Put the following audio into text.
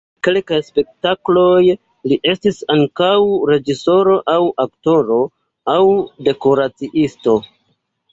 En kelkaj spektakloj li estis ankaŭ reĝisoro aŭ aktoro aŭ dekoraciisto.